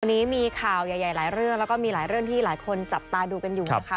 วันนี้มีข่าวใหญ่หลายเรื่องแล้วก็มีหลายเรื่องที่หลายคนจับตาดูกันอยู่นะคะ